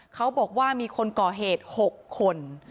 เขาบอกว่ามีคนก่อเหตุ๖คน